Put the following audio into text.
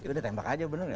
udah tembak aja bener gak